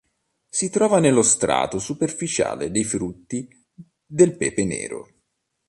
Si trova nello strato superficiale dei frutti del pepe nero.